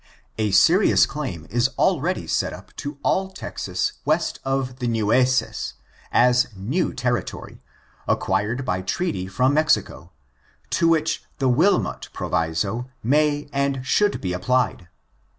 A serious claim is already set up to all Texas west of the Nueces, as new territory, acquired by treaty from Mexico, to which the Wilmot proviso may and should l)e applied.